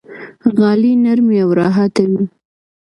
غالۍ نرمې او راحته وي.